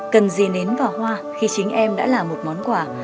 cần gì nến vào hoa khi chính em đã là một món quà